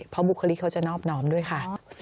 เพราะบุคลิกเขาจะนอบน้อมด้วยค่ะ